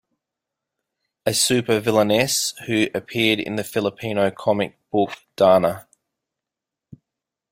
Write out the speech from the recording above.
A Supervillainess who appeared in the Filipino comic book Darna.